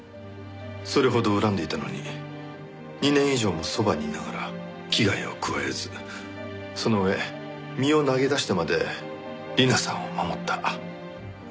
それほど恨んでいたのに２年以上もそばにいながら危害を加えずその上身を投げ出してまで里奈さんを守った。